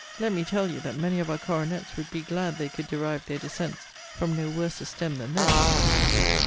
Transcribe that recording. Let me tell you, that many of our coronets would be glad they could derive their descents from no worse a stem than theirs.